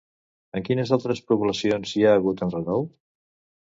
En quines altres poblacions hi ha hagut enrenou?